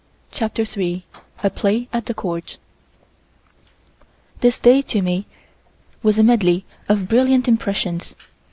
CHAPTER THREE A PLAY AT THE COURT THIS day to me was a medley of brilliant impressions.